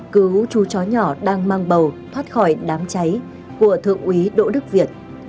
cứu chú chó nhỏ đang mang bầu thoát khỏi đám cháy của thượng úy đỗ đức việt